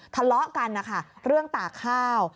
ทะเลาะกันนะคะเรื่องตากข้าว